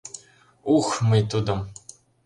Ух, мый тудым!